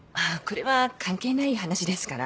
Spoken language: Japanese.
これは関係ない話ですから。